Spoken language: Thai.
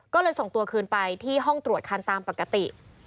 ก็เลยส่งตัวคืนไปที่ห้องตรวจคันตามปกติ